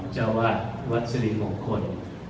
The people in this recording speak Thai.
เจ้าวาดวัดสิริมงคล